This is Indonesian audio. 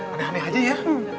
aneh aneh aja ya